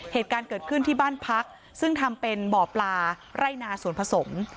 เหตุการณ์เกิดขึ้นที่บ้านพักซึ่งทำเป็นบ่อปลาไร่นาสวนผสม